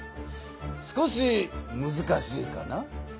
少しむずかしいかな？